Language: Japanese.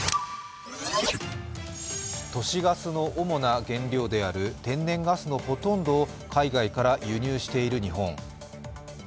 都市ガスの主な原料である天然ガスのほとんどを海外から輸入している日本。